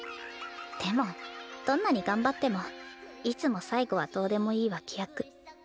でもどんなに頑張ってもいつも最後はどうでもいい脇役。